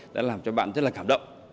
đã làm cho bạn rất là cảm động